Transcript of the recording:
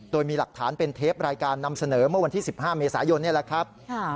โดยมีหลักฐานเป็นเทปรายการนำเสนอเมื่อวันที่๑๕เมษายนนี่แหละครับ